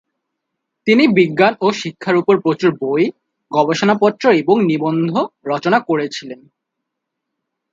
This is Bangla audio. তিনি বিজ্ঞান ও শিক্ষার উপর প্রচুর বই, গবেষণাপত্র এবং নিবন্ধ রচনা করেছিলেন।